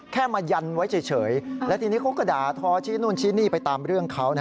แค่มายันไว้เฉยแล้วทีนี้เขาก็ด่าทอชี้นู่นชี้นี่ไปตามเรื่องเขา